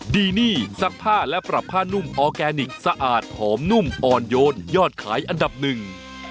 ดีนี่ซักผ้าและปรับผ้านุ่มออร์แกนิคสะอาดหอมนุ่มอ่อนโยนยอดขายอันดับหนึ่ง